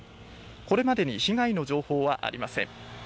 これまでに被害の情報はありません。